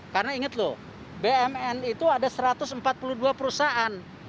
karena ingat loh bumn itu ada satu ratus empat puluh dua perusahaan